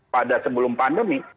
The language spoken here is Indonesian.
pada sebelum pandemi